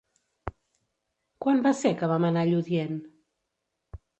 Quan va ser que vam anar a Lludient?